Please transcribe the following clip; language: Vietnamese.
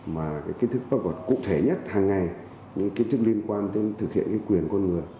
mà cái kiến thức pháp luật cụ thể nhất hàng ngày những kiến thức liên quan đến thực hiện cái quyền con người